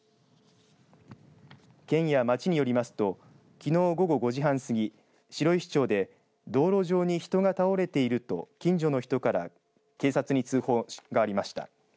県や町によりますときのう午後５時半過ぎ白石町で道路上で人が倒れていると近所の人から警察に通報がありました。